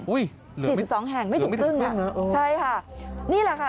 อุ๊ยเหลือไม่ถึงครึ่งนะโอ้ยใช่ค่ะนี่แหละค่ะ